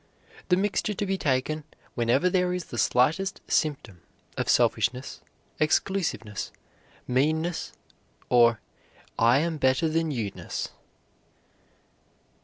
The Mixture to be taken whenever there is the slightest symptom of selfishness, exclusiveness, meanness, or I am better than you ness.